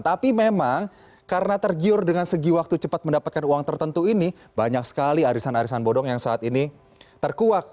tapi memang karena tergiur dengan segi waktu cepat mendapatkan uang tertentu ini banyak sekali arisan arisan bodong yang saat ini terkuak